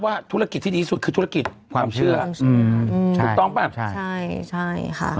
ว่าธุรกิจที่ดีสุดคือธุรกิจความเชื่ออืมถูกต้องป่ะใช่ใช่ค่ะ